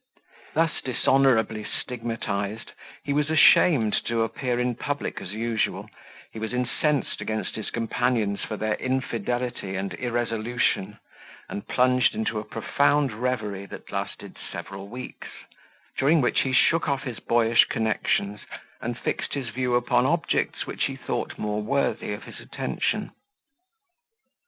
Thus dishonourably stigmatized, he was ashamed to appear in public as usual; he was incensed against his companions for their infidelity and irresolution, and plunged into a profound reverie that lasted several weeks, during which he shook off his boyish connections, and fixed his view upon objects which he thought more worthy of his attention.